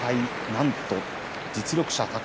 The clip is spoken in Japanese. なんと実力者宝